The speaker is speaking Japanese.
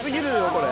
これ。